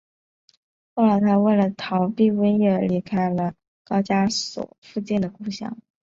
后来他为了逃避瘟疫而离开了高加索附近的故乡。